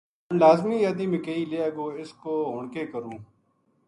ہن لازمی اَدھی مکئی لِیے گو اِس کو ہن کے کروں